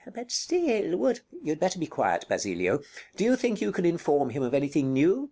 Basilio But still, would Count You'd better be quiet, Basilio. Do you think you can inform him of anything new?